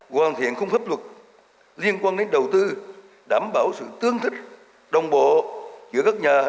hoàn thiện khung pháp luật liên quan đến đầu tư đảm bảo sự tương thích đồng bộ giữa các nhà